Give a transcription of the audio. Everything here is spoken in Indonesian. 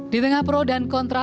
di tengah pro dan kontra